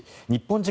日本